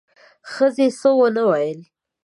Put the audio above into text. ښځې څه ونه ویل: